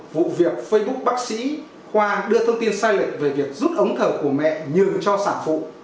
vụ việc facebook bác sĩ khoa đưa thông tin sai lệch về việc rút ống thở của mẹ nhường cho sản phụ